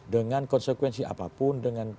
dengan konsekuensi apapun dengan